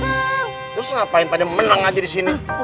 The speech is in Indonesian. terus ngapain pada menang aja disini